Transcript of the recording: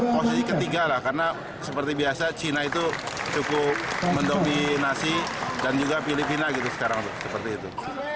posisi ketiga lah karena seperti biasa cina itu cukup mendominasi dan juga filipina gitu sekarang seperti itu